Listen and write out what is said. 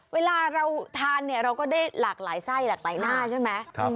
เวลาเราทานเนี่ยเราก็ได้หลากหลายไส้หลากหลายหน้าใช่ไหม